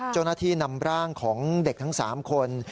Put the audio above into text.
เจ้าหน้าที่นำร่างของเด็กทั้ง๓คน